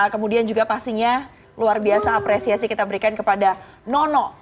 kemudian juga pastinya luar biasa apresiasi kita berikan kepada nono